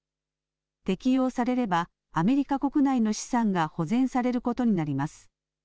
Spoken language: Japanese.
適用されればアメリカ国内の資産が保全されることになります。